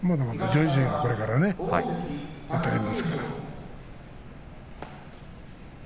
上位陣がこれからあたっていきますから。